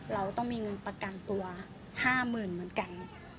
เราต้องมีเงินประกันตัว๕๐๐๐เหมือนกัน